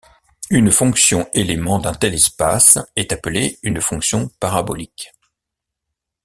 Une fonction élément d'un tel espace est appelé une fonction parabolique.